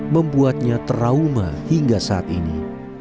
membuatnya trauma hingga saat ini